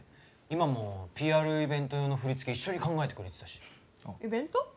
今もＰＲイベント用の振り付け一緒に考えてくれてたしイベント？